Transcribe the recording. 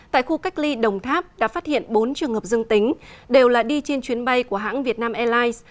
tại khu cách ly đồng tháp đã phát hiện bốn trường hợp dương tính đều là đi trên chuyến bay của hãng vietnam airlines